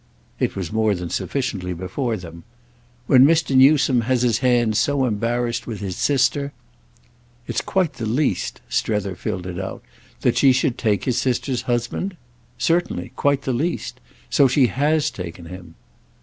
It was more than sufficiently before them. "When Mr. Newsome has his hands so embarrassed with his sister—" "It's quite the least"—Strether filled it out—"that she should take his sister's husband? Certainly—quite the least. So she has taken him."